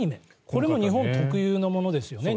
これも日本特有のものですよね。